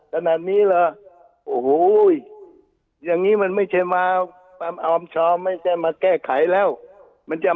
จะยินมาอาจารย์ค่ะ